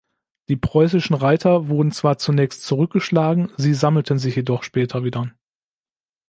Die preußischen Reiter wurden zwar zunächst zurückgeschlagen, sie sammelten sich jedoch später wieder.